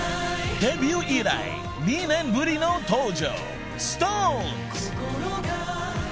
［デビュー以来２年ぶりの登場］